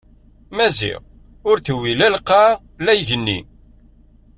Maziɣ ur t-tewwi la lqaɛa la igenni.